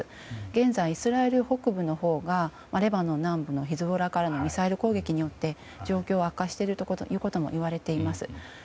現在、イスラエル北部のほうがレバノン南部のヒズボラからのミサイル攻撃によって状況が悪化しているともいわれています。